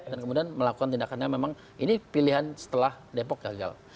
dan kemudian melakukan tindakannya memang ini pilihan setelah depok gagal